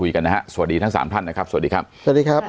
กันนะฮะสวัสดีทั้งสามท่านนะครับสวัสดีครับสวัสดีครับ